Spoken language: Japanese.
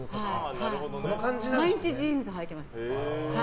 毎日ジーンズはいてます。